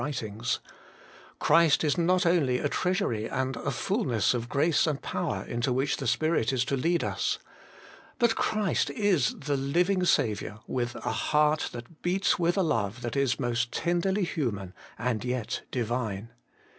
197 writings. Christ is not only a treasury and a fulness of grace and power, into which the Spirit is to lead us. But Christ is the Living Saviour, with a heart that beats with a love that is most tenderly human, and yet Divine.